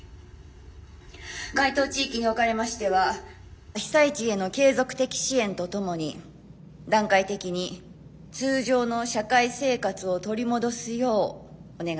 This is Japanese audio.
該当地域におかれましては被災地への継続的支援とともに段階的に通常の社会生活を取り戻すようお願いいたします。